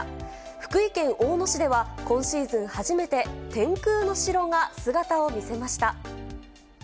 福井県大野市では、今シーズン初めて天空の城が姿を見せました。